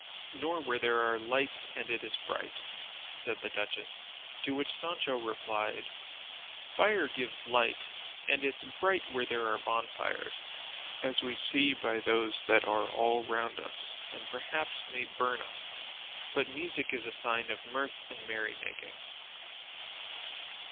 "Nor where there are lights and it is bright," said the duchess; to which Sancho replied, "Fire gives light, and it's bright where there are bonfires, as we see by those that are all round us and perhaps may burn us; but music is a sign of mirth and merrymaking."